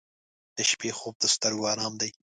• د شپې خوب د سترګو آرام دی.